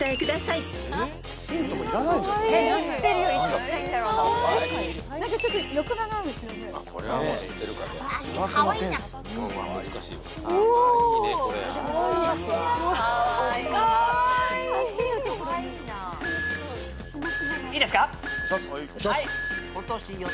いいですか？